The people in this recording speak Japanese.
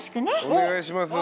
お願いします。